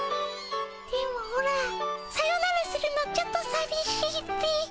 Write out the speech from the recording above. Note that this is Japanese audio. でもオラサヨナラするのちょっとさびしいっピ。